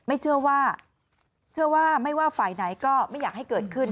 เชื่อว่าเชื่อว่าไม่ว่าฝ่ายไหนก็ไม่อยากให้เกิดขึ้น